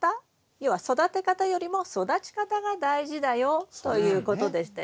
要は育て方よりも育ち方が大事だよということでしたよね。